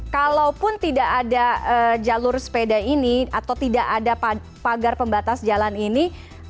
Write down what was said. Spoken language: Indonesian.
kalaupun tidak ada jalur sepeda ini atau tidak ada pagar pembatas jalan ini